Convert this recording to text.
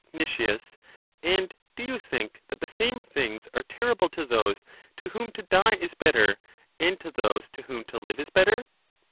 Nic, And do you think that the same things are terrible to those to whom to die is better, and to those to whom to live is better?